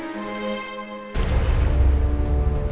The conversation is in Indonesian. ya enggak apa apa